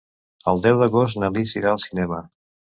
El deu d'agost na Lis irà al cinema.